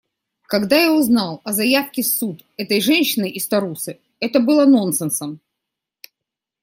Когда я узнал о заявке в суд этой женщины из Тарусы, это было нонсенсом.